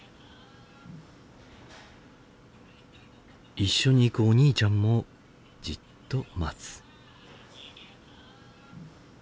一緒に行くお兄ちゃんもじっと待つ。